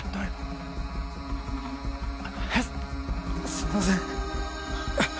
すいません。